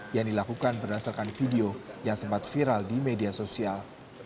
yang dilakukan berdasarkan video yang sempat viral di media sosial